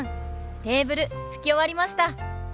テーブル拭き終わりました。